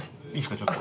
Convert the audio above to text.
ちょっと。